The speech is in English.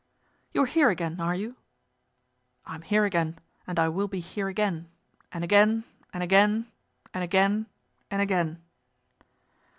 "You're here again, are you?" "I'm here again, and I will be here again. And again and again, and again and again."